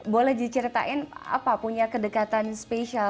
boleh diceritain apa punya kedekatan spesial